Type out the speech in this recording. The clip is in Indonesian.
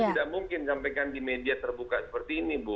tidak mungkin sampaikan di media terbuka seperti ini bu